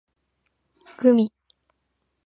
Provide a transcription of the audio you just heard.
gumi